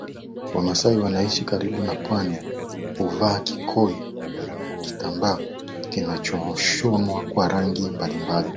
Wamasai wanaoishi karibu na pwani huvaa kikoi aina ya kitambaa kinachoshonwa kwa rangi mbalimbali